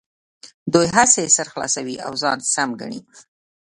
دوی هسې سر خلاصوي او ځان سم ګڼي.